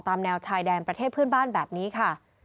แนวชายแดนประเทศเพื่อนบ้านแบบนี้ค่ะ